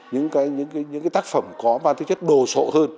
những cái những cái tác phẩm có ban tư chất đồ sộ hơn